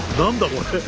これ。